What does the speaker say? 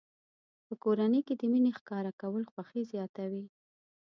په کورنۍ کې د مینې ښکاره کول خوښي زیاتوي.